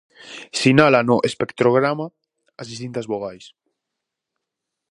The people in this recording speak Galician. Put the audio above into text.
Sinala no espectrograma as distintas vogais.